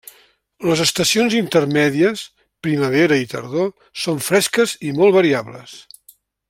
Les estacions intermèdies, primavera i tardor, són fresques i molt variables.